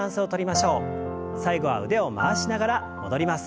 最後は腕を回しながら戻ります。